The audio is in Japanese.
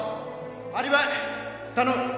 アリバイ頼む！